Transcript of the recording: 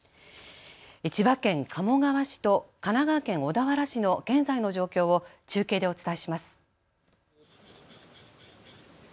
千葉県鴨川市と神奈川県小田原市の現在の状況を中継でお伝えします。